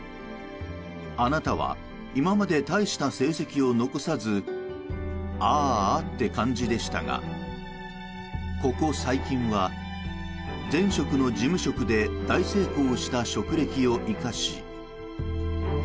あなたは今まで大した成績を残さずあーあって感じでしたがここ細菌は前職の事務職で大成功した職歴を生かし。